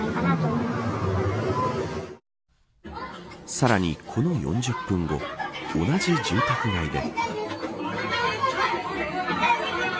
さらに、この４０分後同じ住宅街で。